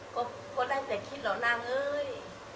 ก็ได้แต่คิดแล้วนั่งเอ้ย